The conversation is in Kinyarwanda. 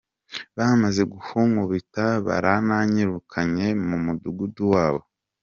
Bamaze kunkubita barananyirukanye mu mudugudu wabo.